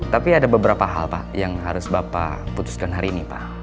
tapi ada beberapa hal pak yang harus bapak putuskan hari ini pak